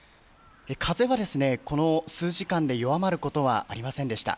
風はこの数時間で弱まることはありませんでした。